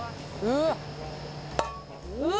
うわ！